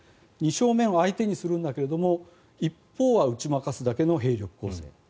二正面は相手にするんだけど一方は打ち負かすだけの兵力構成